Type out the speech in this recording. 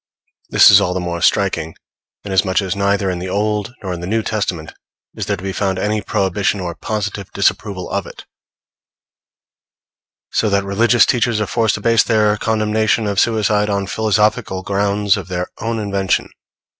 This is all the more striking, inasmuch as neither in the Old nor in the New Testament is there to be found any prohibition or positive disapproval of it; so that religious teachers are forced to base their condemnation of suicide on philosophical grounds of their own invention.